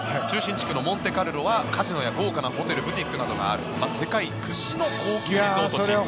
中心地区のモンテカルロはカジノや豪華なホテルブティックなどがある世界屈指の高級リゾート地。